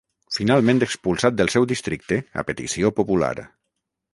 Finalment expulsat del seu districte a petició popular.